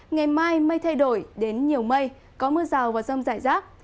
ngày mai mây thay đổi đến nhiều mây có mưa rào và rông rải rác